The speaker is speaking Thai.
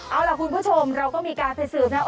เอาล่ะคุณผู้ชมเราก็มีการไปสืบนะครับ